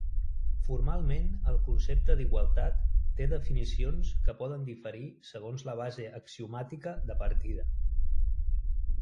Formalment el concepte d'igualtat té definicions que poden diferir segons la base axiomàtica de partida.